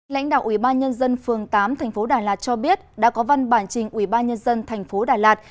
lãnh đạo ubnd phường tám tp đà lạt cho biết đã có văn bản trình ubnd tp đà lạt